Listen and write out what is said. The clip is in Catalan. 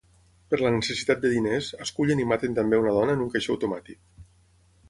Per la necessitat de diners, escullen i maten també una dona en un caixer automàtic.